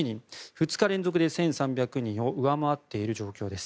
２日連続で１３００人を上回っている状況です。